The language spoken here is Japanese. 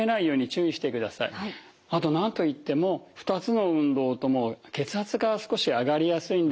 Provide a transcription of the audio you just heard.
あと何と言っても２つの運動とも血圧が少し上がりやすいんです。